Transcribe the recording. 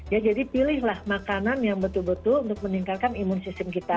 ya jadi pilihlah makanan yang betul betul untuk meningkatkan imun sistem kita